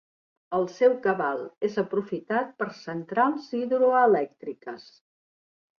El seu cabal és aprofitat per centrals hidroelèctriques.